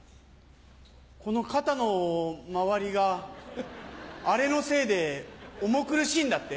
この肩の周りがアレのせいで重苦しいんだって？